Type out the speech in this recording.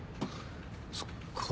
そっか。